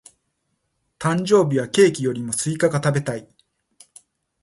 誕生日はケーキよりもスイカが食べたい。